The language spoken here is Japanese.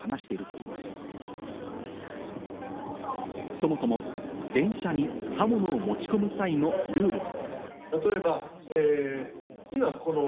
そもそも電車に刃物を持ち込む際のルールは。